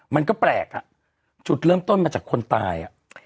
มันก็แปลกอ่ะจุดเริ่มต้นมาจากคนตาย